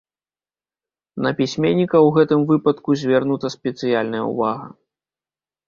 На пісьменнікаў у гэтым выпадку звернута спецыяльная ўвага.